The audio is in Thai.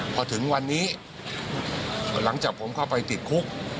พอถึงวันนี้หลังจากผมเข้าไปติดคุก